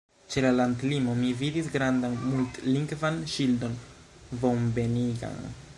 Ĉe la landlimo, mi vidis grandan mult-lingvan ŝildon bonvenigan.